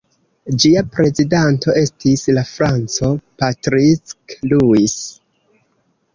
Ĝia prezidanto estis la franco Patrick Louis.